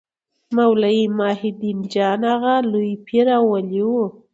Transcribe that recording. مولوي محي الدین جان اغا لوی پير او ولي و.